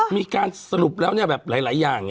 มีการสรุปแล้วแบบหลายอย่าง